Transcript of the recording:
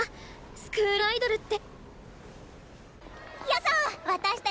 スクールアイドルって。